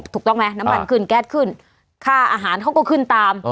ถูกต้องไหมน้ำมันขึ้นแก๊สขึ้นค่าอาหารเขาก็ขึ้นตาม